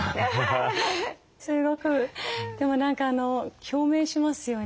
すごくでも何か共鳴しますよね。